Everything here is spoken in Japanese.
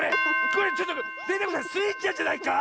これちょっとデテコさんスイちゃんじゃないか